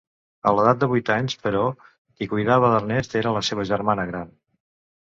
A l'edat de vuit anys, però, qui cuidava d'Ernest era la seva germana gran.